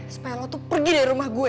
supaya lo tuh pergi dari rumah gue